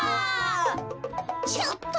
ちょっと。